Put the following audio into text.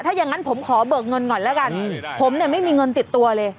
ถ้าอย่างนั้นผมขอเบิกเงินก่อนแล้วกันผมเนี่ยไม่มีเงินติดตัวเลย